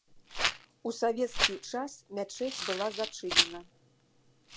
У савецкі час мячэць была зачынена.